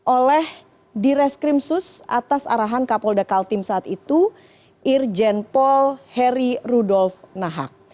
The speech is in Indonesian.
oleh direskrimsus atas arahan kapolda kaltim saat itu irjen paul heri rudolf nahak